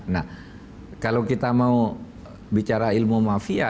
nah kalau kita mau bicara ilmu mafia